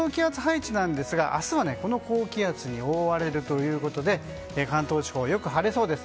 気圧配置なんですが明日は、この高気圧に覆われるということで関東地方、よく晴れそうです。